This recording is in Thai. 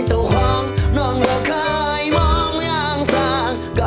เจ้าห้องนอนละไดมองอย่างสาก